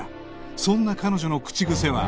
そんな彼女の口癖は